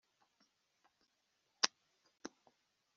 mbere yuko ubukwe burangira